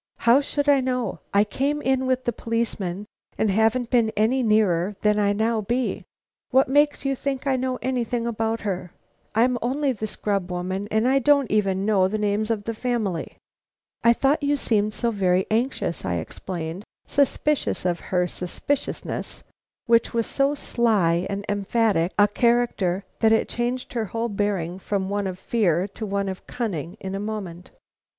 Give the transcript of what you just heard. "How should I know? I came in with the policeman and haven't been any nearer than I now be. What makes you think I know anything about her? I'm only the scrub woman, and don't even know the names of the family." "I thought you seemed so very anxious," I explained, suspicious of her suspiciousness, which was of so sly and emphatic a character that it changed her whole bearing from one of fear to one of cunning in a moment.